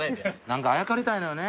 何かあやかりたいのよね